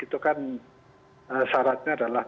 itu kan syaratnya adalah